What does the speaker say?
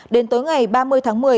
đến tối ngày ba mươi tháng một mươi